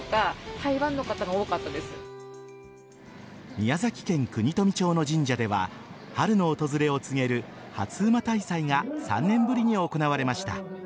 宮崎県国富町の神社では春の訪れを告げる初午大祭が３年ぶりに行われました。